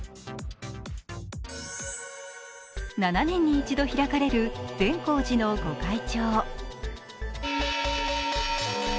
７年に一度開かれる善光寺の御開帳。